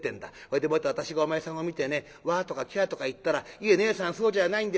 それでもって私がお前さんを見てねワーとかキャーとか言ったら『いえねえさんそうじゃあないんですよ。